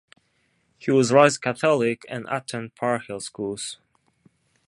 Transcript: He was raised Catholic and attended parochial schools.